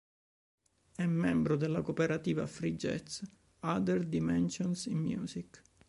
È un membro della cooperativa free jazz "Other Dimensions In Music".